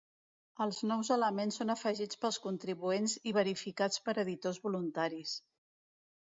Els nous elements són afegits pels contribuents i verificats per editors voluntaris.